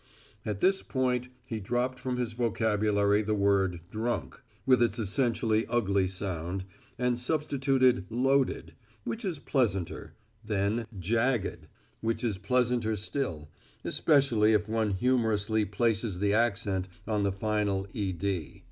At this point he dropped from his vocabulary the word "drunk," with its essentially ugly sound, and substituted "loaded," which is pleasanter, then "jagged," which is pleasanter still, especially if one humorously places the accent on the final ed.